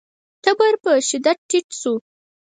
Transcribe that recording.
تبر په شدت ټيټ شو.